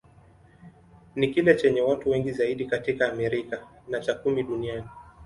Ni kile chenye watu wengi zaidi katika Amerika, na cha kumi duniani.